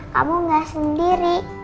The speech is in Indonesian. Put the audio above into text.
kamu gak sendiri